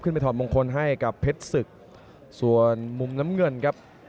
ไปถอดมงคลให้กับเพชรศึกส่วนมุมน้ำเงินครับ